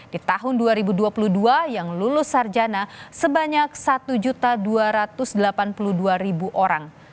di tahun dua ribu dua puluh dua yang lulus sarjana sebanyak satu dua ratus delapan puluh dua orang